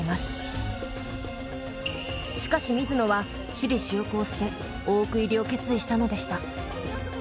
しかし水野は私利私欲を捨て大奥入りを決意したのでした。